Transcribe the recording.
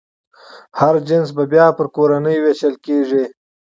هر جنس بیا په کورنیو وېشل کېږي.